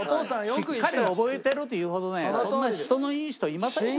しっかり覚えてるというほどねそんな人のいい人いませんよ。